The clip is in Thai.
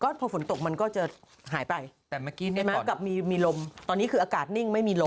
ก็พอฝนตกมันก็จะหายไปไปมากับมีลมตอนนี้คืออากาศนิ่งไม่มีลม